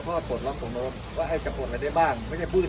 พอโปรดรอบส่งโน้มว่าให้จับโปรดอะไรได้บ้างไม่ได้บื้น